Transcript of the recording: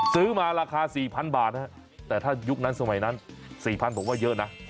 ซื้อมาราคา๔๐๐บาทแต่ถ้ายุคนั้นสมัยนั้น๔๐๐ผมว่าเยอะนะ